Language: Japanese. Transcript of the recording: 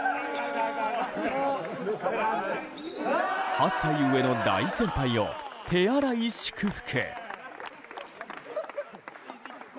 ８歳上の大先輩を手荒い祝福。